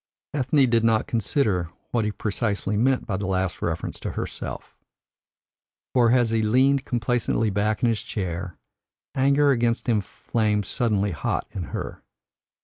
Ethne did not consider what he precisely meant by the last reference to herself. For as he leaned complacently back in his seat, anger against him flamed suddenly hot in her.